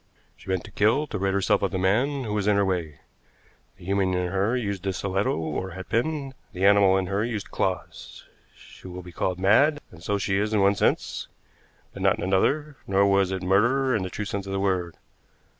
She meant to kill, to rid herself of the man who was in her way. The human in her used the stiletto or hatpin, the animal in her used claws. She will be called mad, and so she is in one sense, but not in another; nor was it murder in the true sense of the word.